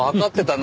な